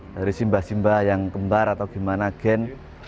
dari simbah simbah yang kembar atau gimana gen